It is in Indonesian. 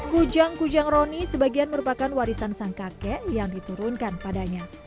kujang kujang roni sebagian merupakan warisan sang kakek yang diturunkan padanya